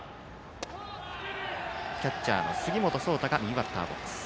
キャッチャーの杉本颯太は右バッターです。